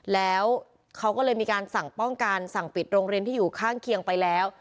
แล้วเขาก็เลยมีการสั่งป้องกันสั่งปิดโรงเรียนที่อยู่ข้างเคียงไปแล้ว